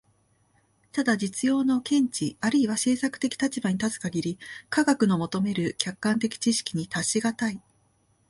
ただ実用の見地あるいは政策的立場に立つ限り、科学の求める客観的知識に達し難い。